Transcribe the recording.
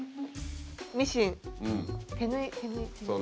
ミシン手縫い手縫い手縫い。